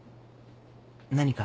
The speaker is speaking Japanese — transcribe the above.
何か？